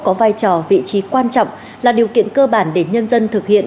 có vai trò vị trí quan trọng là điều kiện cơ bản để nhân dân thực hiện